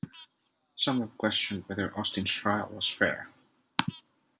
Some have questioned whether Austin's trial was fair.